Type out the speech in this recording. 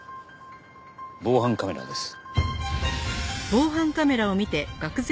防犯カメラです。